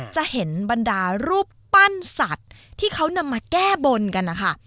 จะเห็นบรรดารูปปั้นสัตว์ที่เขานำมาแก้บนกันนะคะ